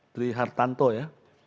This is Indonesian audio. tri hartanto ya